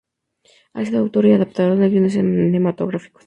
Ha sido autor y adaptador de guiones cinematográficos.